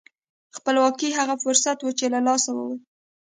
خپلواکي هغه فرصت و چې له لاسه ووت.